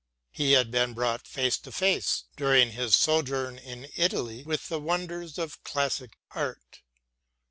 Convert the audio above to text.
He had been brought face to face, during his sojourn in Italy, with the wonders of classic art.